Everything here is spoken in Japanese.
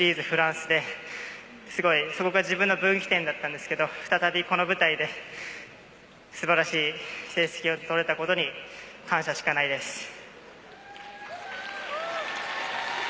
フランスでそこが自分の分岐点だったんですが再びこの舞台で素晴らしい成績を取れたことに感謝しかないです。